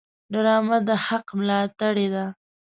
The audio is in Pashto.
ډرامه د حق ملاتړې ده